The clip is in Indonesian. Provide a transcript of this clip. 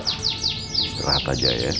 terat aja ya